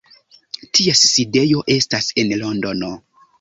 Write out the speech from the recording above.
Ties sidejo estas en Londono.